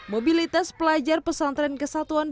mobilitas pelajar pesantren kesatuan